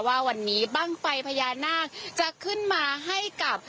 ว่าวันนี้บ้างไฟพญานาคจะขึ้นมาให้กับ